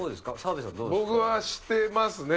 僕はしてますね。